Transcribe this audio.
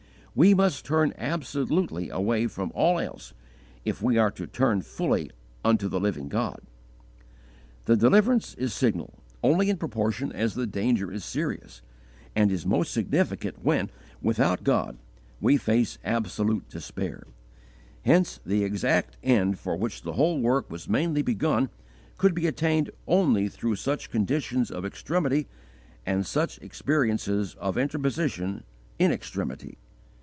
We must turn absolutely away from all else if we are to turn fully unto the living God. The deliverance is signal, only in proportion as the danger is serious, and is most significant when, without God, we face absolute despair. Hence the exact end for which the whole work was mainly begun could be attained only through such conditions of extremity and such experiences of interposition in extremity.